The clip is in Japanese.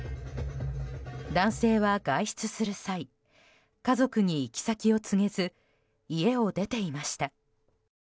男性は外出する際家族に行き先を告げず家を出ていました。